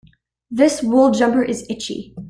This wool jumper is itchy.